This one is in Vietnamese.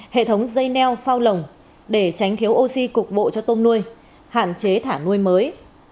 hệ thống dây neo phao lồng để tránh thiếu oxy cục bộ cho tôm nuôi hạn chế thả nuôi mới